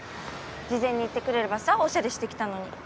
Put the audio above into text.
事前に言ってくれればさおしゃれしてきたのに。